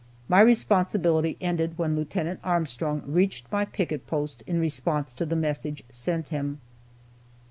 My responsibility ended when Lieut. Armstrong reached my picket post in response to the message sent him.